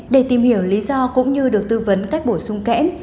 để tìm hiểu lý do cũng như được tư vấn cách bổ sung kẽm